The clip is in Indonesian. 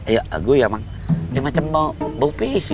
ya gue emang kayak macam mau bau pisik